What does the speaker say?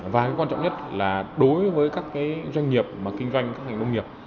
và cái quan trọng nhất là đối với các cái doanh nghiệp mà kinh doanh các hành động nghiệp